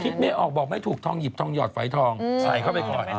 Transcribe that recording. ไม่ออกบอกไม่ถูกทองหยิบทองหยอดฝอยทองใส่เข้าไปก่อน